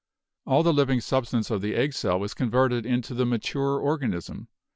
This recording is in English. All the living substance of the egg cell is converted into the ma 'ture organism.